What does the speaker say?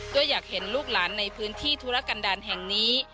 ก็อยากเห็นลูกหลานในพื้นที่ธุรกันดาลแห่งนี้